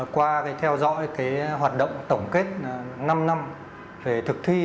qua cái theo dõi cái hoạt động tổng kết năm năm về thực thi